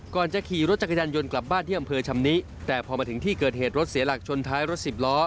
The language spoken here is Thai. ก่อนจะขี่รถจักรยานยนต์กลับบ้านที่อำเภอชำนิแต่พอมาถึงที่เกิดเหตุรถเสียหลักชนท้ายรถสิบล้อ